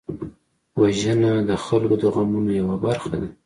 وژنه د خلکو د غمونو یوه برخه ده